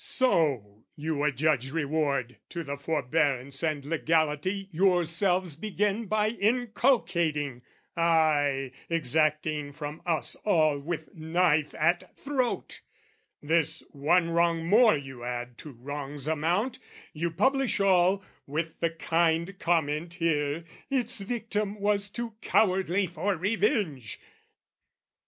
So you adjudge reward "To the forbearance and legality "Yourselves begin by inculcating ay, "Exacting from us all with knife at throat! "This one wrong more you add to wrong's amount, "You publish all, with the kind comment here, "'Its victim was too cowardly for revenge."'